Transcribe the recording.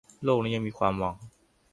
โลกนี้ยังมีความหวัง